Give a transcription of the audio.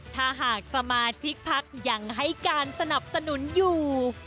ถ้าหากสมาชิกพักยังให้การสนับสนุนอยู่